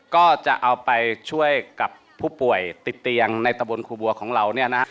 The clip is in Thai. ก็จะเอาไปช่วยกับผู้ป่วยติดเตียงในตะบนครูบัวของเราเนี่ยนะฮะ